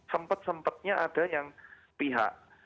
sempet sempetnya ada yang pihak